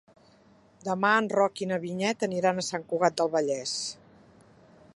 Demà en Roc i na Vinyet aniran a Sant Cugat del Vallès.